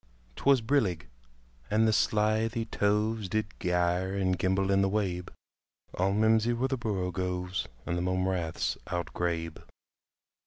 'T was brillig, and the slithy toves Did gyre and gimble in the wabe; All mimsy were the borogoves And the mome raths outgrabe.